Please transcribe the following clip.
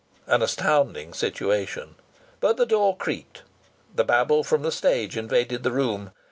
An astounding situation! But the door creaked. The babble from the stage invaded the room.